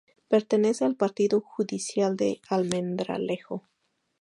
Pertenece al Partido judicial de Almendralejo.